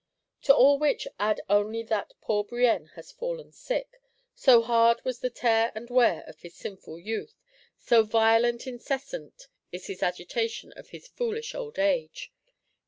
To all which add only that poor Brienne has fallen sick; so hard was the tear and wear of his sinful youth, so violent, incessant is this agitation of his foolish old age.